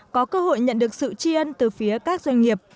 có cơ hội nhận được sự tri ân từ phía các doanh nghiệp